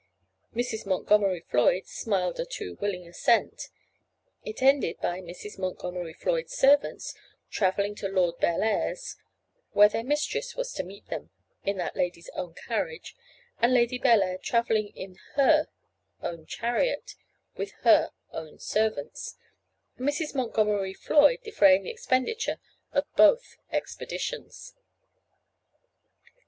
Mrs. Montgomery Floyd smiled a too willing assent. It ended by Mrs. Montgomery Floyd's servants travelling to Lord Bellair's, where their mistress was to meet them, in that lady's own carriage, and Lady Bellair travelling in her own chariot with her own servants, and Mrs. Montgomery Floyd defraying the expenditure of both expeditions.